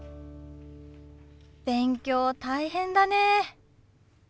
勉強大変だね。